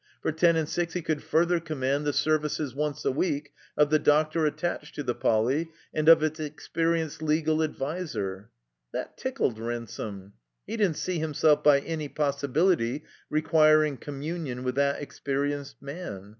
For ten and six he could further command the services (once a week) of the doctor attached to the Poly, and of its experi enced legal adviser. That tickled Ransome. He didn't see himself by any possibility requiring commiuiion with that experienced man.